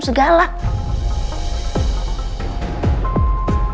di sini aja dilarang rokok